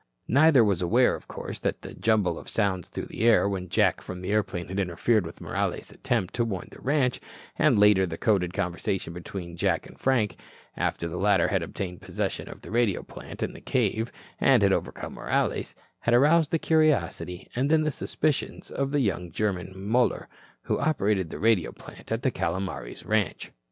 Neither was aware, of course, that the jumble of sounds through the air, when Jack from the airplane had interfered with Morales' attempt to warn the ranch, and later the code conversation between Jack and Frank, after the latter had obtained possession of the radio plant in the cave and had overcome Morales, had aroused the curiosity and then the suspicions of the young German, Muller, who operated the radio plant at the Calomares ranch.